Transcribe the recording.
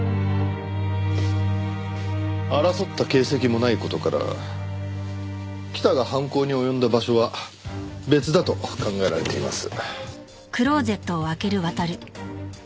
争った形跡もない事から北が犯行に及んだ場所は別だと考えられています。